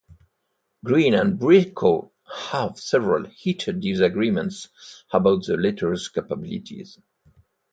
Green and Briscoe have several heated disagreements about the latter's capabilities.